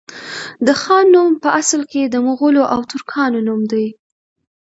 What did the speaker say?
د خان نوم په اصل کي د مغولو او ترکانو نوم دی